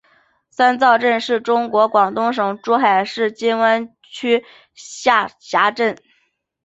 三灶镇是中国广东省珠海市金湾区下辖镇。